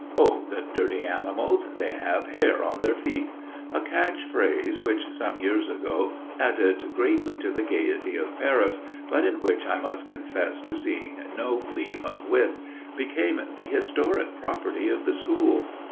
Oh, the dirty animals, they have hair on their feet" a catch phrase which, some years ago, added greatly to the gaiety of Paris, but in which I must confess to seeing no gleam of wit became the historic property of the school.